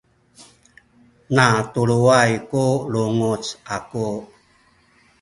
natuluway ku lunguc aku